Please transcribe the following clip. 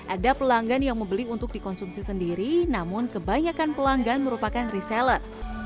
ada pelanggan yang membeli untuk dikonsumsi sendiri namun kebanyakan pelanggan merupakan reseller